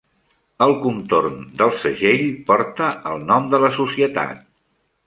El contorn del segell porta el nom de la societat.